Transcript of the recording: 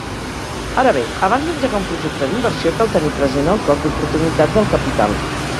Ara bé, abans d'engegar un projecte d'inversió cal tenir present el cost d'oportunitat del capital.